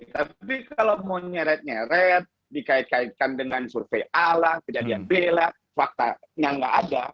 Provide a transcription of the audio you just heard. tapi kalau mau nyeret nyeret dikait kaitkan dengan survei a lah kejadian b lah fakta yang nggak ada